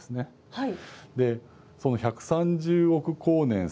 はい。